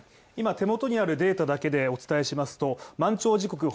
今手元にあるデータだけでお伝えしますと満潮時刻